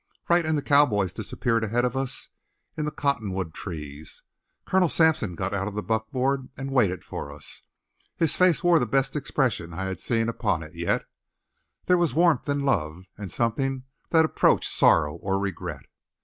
Wright and the cowboys disappeared ahead of us in the cottonwood trees. Colonel Sampson got out of the buckboard and waited for us. His face wore the best expression I had seen upon it yet. There was warmth and love, and something that approached sorrow or regret.